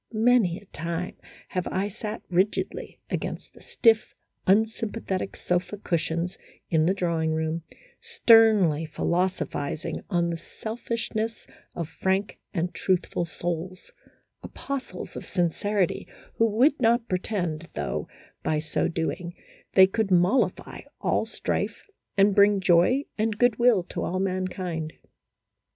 Many a time have I sat rigidly against the stiff, unsympathetic sofa cushions in the drawing room, sternly philosophizing on the selfishness of frank and truthful souls : apostles of sincerity, who would not pretend, though, by so doing, they could mollify all strife and bring joy and good will to all mankind.